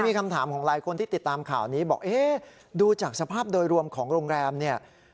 มีคำถามของหลายคนที่ติดตามข่าวนี้บอกเอ๊ะดูจากสภาพโดยรวมของโรงแรมเนี่ย